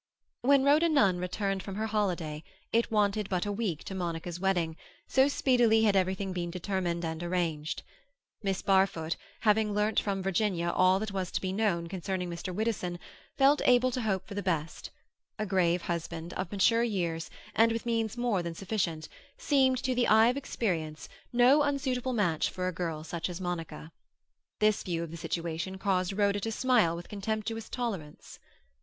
When Rhoda Nunn returned from her holiday it wanted but a week to Monica's wedding, so speedily had everything been determined and arranged. Miss Barfoot, having learnt from Virginia all that was to be known concerning Mr. Widdowson, felt able to hope for the best; a grave husband, of mature years, and with means more than sufficient, seemed, to the eye of experience, no unsuitable match for a girl such as Monica. This view of the situation caused Rhoda to smile with contemptuous tolerance.